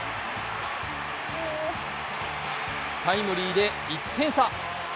タイムリーで１点差。